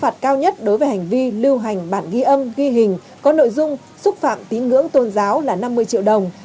phạt cao nhất đối với hành vi lưu hành bản ghi âm ghi hình có nội dung xúc phạm tín ngưỡng tôn giáo là năm mươi triệu đồng